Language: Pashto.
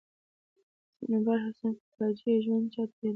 د صنوبر حسین کاکاجي ژوند چاته یادېږي.